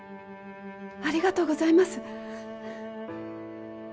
ありがとうございます！